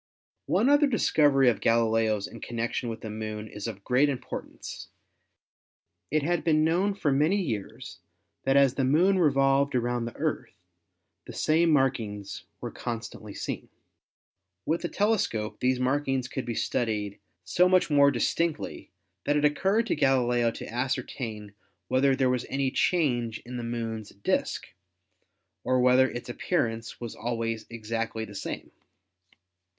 One other discovery of Galileo's in connection with the Moon is of great importance. It had been known for many years that as the Moon revolved around the Earth the same markings were constantly seen. With the tele scope these markings could be studied so much more dis tinctly that it occurred to Galileo to ascertain whether there was any change in the Moon's disk, or whether its appearance was always exactly the same.